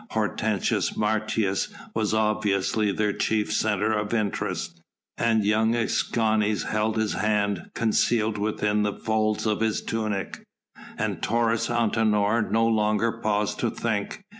Hortensius Martius was obviously their chief centre of interest, and young Escanes held his hand concealed within the folds of his tunic. And Taurus Antinor no longer paused to think.